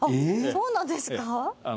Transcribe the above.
そうなんですか？